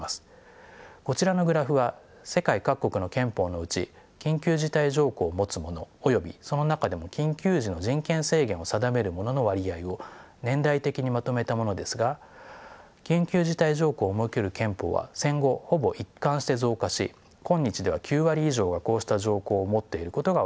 こちらのグラフは世界各国の憲法のうち緊急事態条項をもつものおよびその中でも緊急時の人権制限を定めるものの割合を年代別にまとめたものですが緊急事態条項を設ける憲法は戦後ほぼ一貫して増加し今日では９割以上がこうした条項を持っていることが分かります。